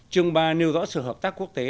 chương ba nêu rõ sự hợp tác quốc tế